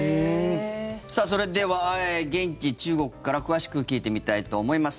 それでは現地・中国から詳しく聞いてみたいと思います。